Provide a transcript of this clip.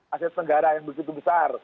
aset negara yang begitu besar